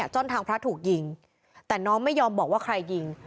จนทางพระถูกยิงแต่น้องไม่ยอมบอกว่าใครยิง